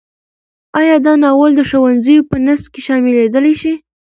ایا دا ناول د ښوونځیو په نصاب کې شاملېدی شي؟